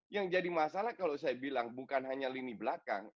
yang jadi masalah kalau saya bilang bukan hanya lini belakang